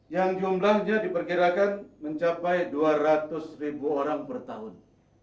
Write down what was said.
yang jumlahnya diperkirakan mencapai dua ratus ribu orang per tahun